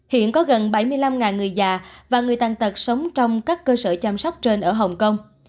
hiện có gần bảy mươi năm người già và người tàn tật sống trong các cơ sở chăm sóc trên ở hồng kông